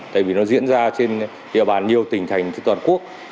tại vì nó diễn ra trên địa bàn nhiều tỉnh thành trên toàn quốc